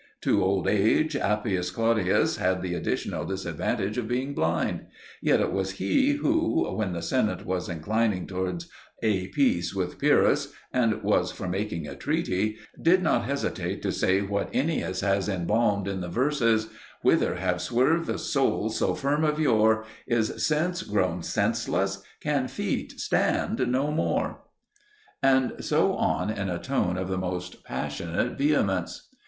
To old age Appius Claudius had the additional disadvantage of being blind; yet it was he who, when the Senate was inclining towards a peace with Pyrrhus and was for making a treaty, did not hesitate to say what Ennius has embalmed in the verses: Whither have swerved the souls so firm of yore? Is sense grown senseless? Can feet stand no more? And so on in a tone of the most passionate vehemence.